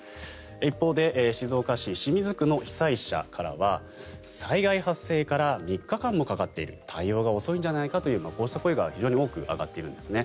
一方で、静岡市清水区の被災者からは災害発生から３日間もかかっている対応が遅いんじゃないかというこうした声が非常に多く上がっているんですね。